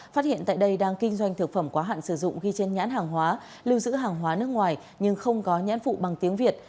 phát hiện tại đây đang kinh doanh thực phẩm quá hạn sử dụng ghi trên nhãn hàng hóa lưu giữ hàng hóa nước ngoài nhưng không có nhãn phụ bằng tiếng việt